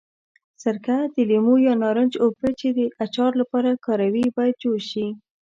سرکه، د لیمو یا نارنج اوبه چې د اچار لپاره کاروي باید جوش شي.